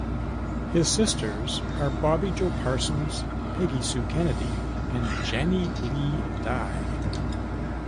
His sisters are Bobbi Jo Parsons, Peggy Sue Kennedy, and Janie Lee Dye.